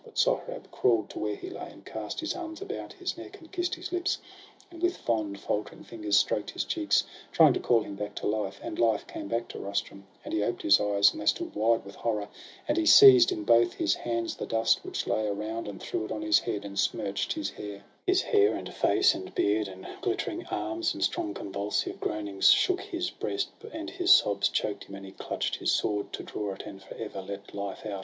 But Sohrab crawl'd to where he lay, and cast His arms about his neck, and kiss'd his lips, And with fond faltering fingers stroked his cheeks, Trying to call him back to life; and life Came back to Rustum, and he oped his eyes^ And they stood wide with horror; and he seized In both his hands the dust which lay around, And threw it on his head, and smirch'd his hair,— His hair, and face, and beard, and glittering arms; VOL. I. I \ 1 14 SOHRAB AND RUSTUM. And strong convulsive groanings shook his breast, And his sobs choked him; and he clutch'd his sword, To draw it, and for ever let life out.